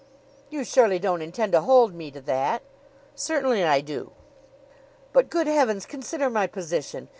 "You surely don't intend to hold me to that?" "Certainly I do." "But, good heavens, consider my position!